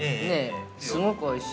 すごくおいしい。